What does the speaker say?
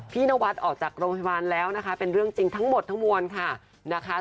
นวัดออกจากโรงพยาบาลแล้วนะคะเป็นเรื่องจริงทั้งหมดทั้งมวลค่ะนะคะ